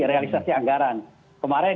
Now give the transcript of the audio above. realisasi anggaran kemarin